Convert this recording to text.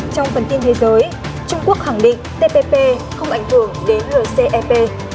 trong phần tin thế giới trung quốc khẳng định tpp không ảnh hưởng đến lừa cep